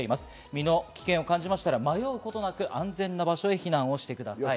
身の危険を感じたら迷うことなく安全な場所へ避難をしてください。